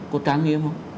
có trang nghiêm không